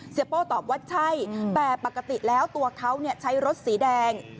โป้ตอบว่าใช่แต่ปกติแล้วตัวเขาใช้รถสีแดง